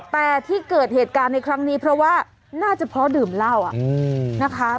แต่ที่เกิดเหตุการณ์ในครั้งนี้เพราะว่าน่าจะเพราะดื่มเหล้านะคะ